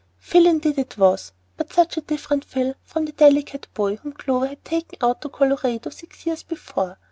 Phil indeed it was, but such a different Phil from the delicate boy whom Clover had taken out to Colorado six years before.